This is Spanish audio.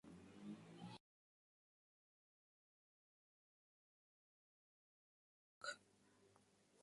Se localiza a orillas del río Burn, cerca de la costa norte de Norfolk.